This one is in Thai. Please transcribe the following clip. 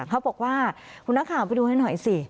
เขาบอกว่าคุณนักข่าวไปดูให้หน่อยสิ